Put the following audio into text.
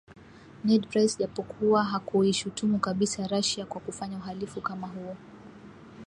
Ned Price japokuwa hakuishutumu kabisa Russia kwa kufanya uhalifu kama huo